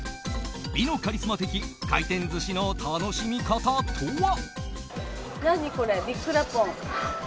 美のカリスマ的回転寿司の楽しみ方とは？